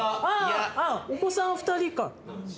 お子さん２人か。